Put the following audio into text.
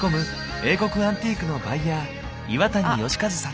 英国アンティークのバイヤー岩谷好和さん。